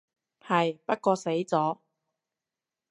係，不過死咗